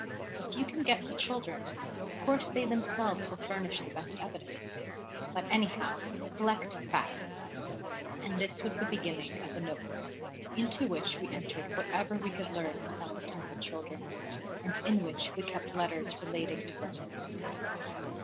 "If you can get the children, of course they themselves will furnish the best evidence; but, anyhow, collect facts." And this was the beginning of a Note book, into which we entered whatever we could learn about the Temple children, and in which we kept letters relating to them.